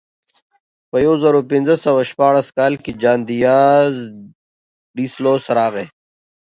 په یو زرو پینځه سوه شپاړس کال کې جان دیاز ډي سلوس راغی.